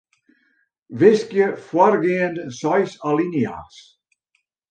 Wiskje foargeande seis alinea's.